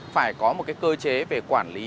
phải có một cơ chế về quản lý